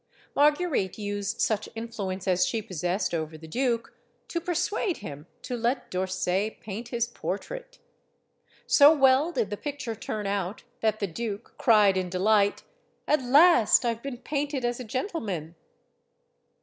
Marguerite used such influence as she possessed over the duke to persuade him to let D'Orsay paint his portrait. So well did the picture turn out that the duke cried in delight: "At last I've been painted as a gentleman!"